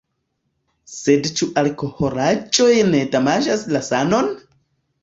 Sed ĉu alkoholaĵoj ne damaĝas la sanon?